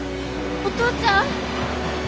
お父ちゃん！